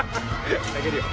あげるよ。